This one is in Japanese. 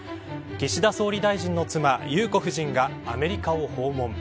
岸田総理大臣の妻、裕子夫人がアメリカを訪問。